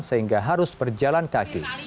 sehingga harus berjalan kaki